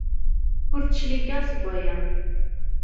Ur d-cligeɣ seg waya!